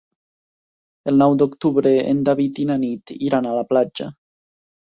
El nou d'octubre en David i na Nit iran a la platja.